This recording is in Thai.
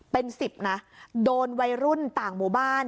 เป็นสิบนะโดนวัยรุ่นต่างหมู่บ้าน